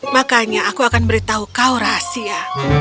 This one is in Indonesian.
makanya aku akan beritahu kau rahasia